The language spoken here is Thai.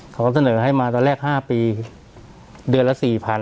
เขาก็เสนอให้มาตอนแรก๕ปีเดือนละ๔๐๐๐